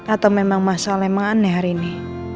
atau memang masalah yang menganeh hari ini